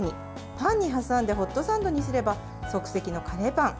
パンに挟んでホットサンドにすれば即席のカレーパン。